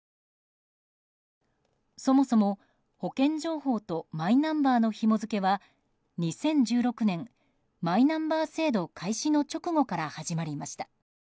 そもそも保険情報とマイナンバーのひも付けは２０１６年、マイナンバー制度開始の直後から始まりました。